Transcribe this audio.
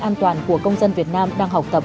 an toàn của công dân việt nam đang học tập